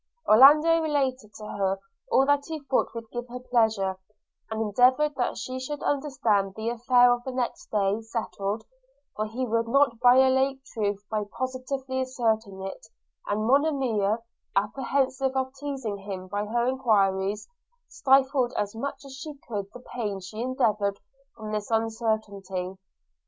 Orlando related to her all that he thought would give her pleasure, and endeavoured that she should understand the affair of the next day settled, for he would not violate truth by positively asserting it: and Monimia, apprehensive of teasing him by her enquiries, stifled as much as she could the pain she endured from this uncertainty.